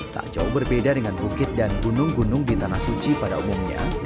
tak jauh berbeda dengan bukit dan gunung gunung di tanah suci pada umumnya